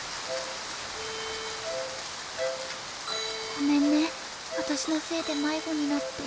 ごめんね私のせいで迷子になって。